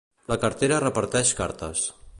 La cartera reparteix cartes.